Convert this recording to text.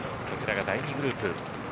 こちらが第２グループ。